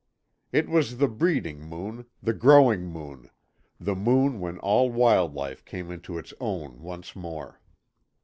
It was the breeding moon, the growing moon, the moon when all wild life came into its own once more.